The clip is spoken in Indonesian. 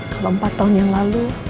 kalau empat tahun yang lalu